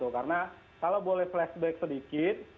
karena kalau boleh flashback sedikit